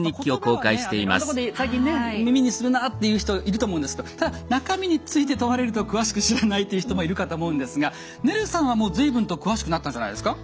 まあ言葉はねいろんなとこで最近ね耳にするなあっていう人いると思うんですけどただ中身について問われると詳しく知らないという人もいるかと思うんですがねるさんはもう随分と詳しくなったんじゃないですか？